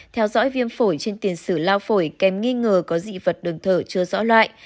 theo dõi viêm phổi trên tiền sử lao phổi kèm nghi ngờ có dị vật đường thở chưa rõ loại